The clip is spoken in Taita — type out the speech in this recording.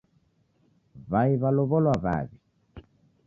Wai walowolwa wawi